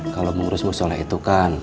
kalau mengurus musola itu kan